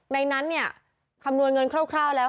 ในนั้นเนี่ยคำนวณเงินคร่าวแล้ว